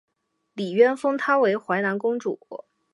李渊封她为淮南公主。